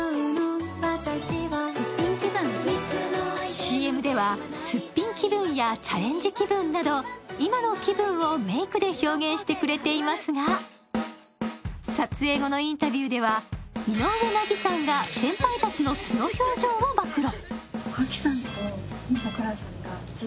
ＣＭではすっぴん気分やチャレンジ気分など今の気分をメイクで表現してくれていますが撮影後のインタビューでは井上和さんが先輩たちの素の表情を暴露。